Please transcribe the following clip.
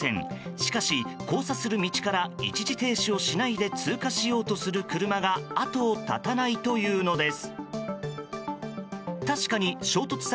しかし、交差する道から一時停止をしないで通過しようとする車が後を絶たないというのです。